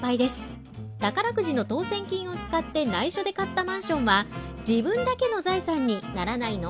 宝くじの当せん金を使って内緒で買ったマンションは自分だけの財産にならないの？